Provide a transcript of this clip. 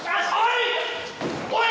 「おい！